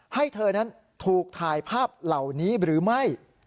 ให้เธอนั้นถูกถ่ายภาพเหล่านี้หรือไม่